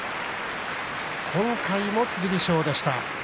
今回も剣翔でした。